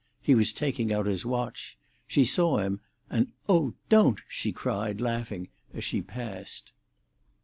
He was taking out his watch. She saw him, and "Oh, don't!" she cried, laughing, as she passed.